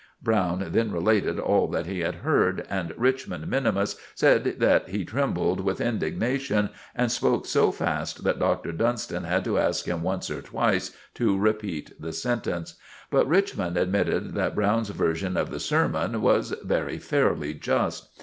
Browne then related all that he had heard, and Richmond minimus said that he trembled with indignation and spoke so fast that Dr. Dunstan had to ask him once or twice to repeat the sentence. But Richmond admitted that Browne's version of the sermon was very fairly just.